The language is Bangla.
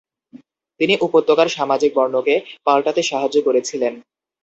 তিনি উপত্যকার সামাজিক বর্ণকে পাল্টাতে সাহায্য করেছিলেন।